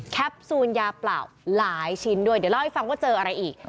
ซูลยาเปล่าหลายชิ้นด้วยเดี๋ยวเล่าให้ฟังว่าเจออะไรอีก